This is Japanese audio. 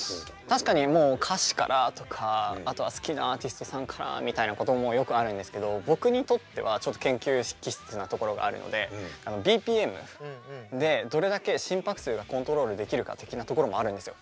確かに歌詞からとかあとは好きなアーティストさんからみたいなこともよくあるんですけど僕にとってはちょっと研究気質なところがあるのでＢＰＭでどれだけ心拍数がコントロールできるか的なところもあるんですよ。